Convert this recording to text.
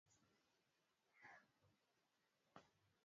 kamati inapitia ripoti za kisheria za benki kuu